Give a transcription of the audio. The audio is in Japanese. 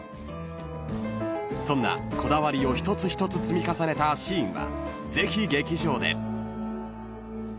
［そんなこだわりを一つ一つ積み重ねたシーンはぜひ劇場で］